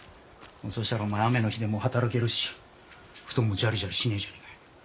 そしたらお前雨の日でも働けるし布団もジャリジャリしねえじゃねえかよ。